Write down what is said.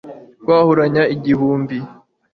kwahuranya igihumbi